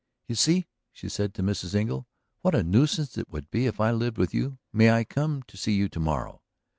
"You see," she said to Mrs. Engle, "what a nuisance it would be if I lived with you? May I come to see you to morrow?"